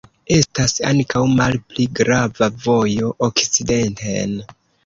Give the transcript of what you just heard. Estas ankaŭ malpli grava vojo okcidenten.